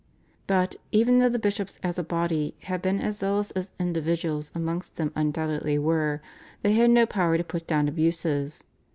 But, even though the bishops as a body had been as zealous as individuals amongst them undoubtedly were, they had no power to put down abuses.